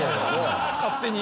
勝手に。